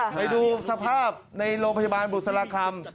ไปดูสภาพในโรงพยาบาลบุษราคำ